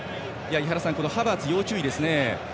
井原さん、ハバーツ要注意ですね。